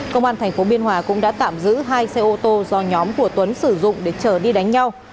công an tp biên hòa cũng đã tạm giữ hai xe ô tô do nhóm của tuấn sử dụng để chở đi đánh nhau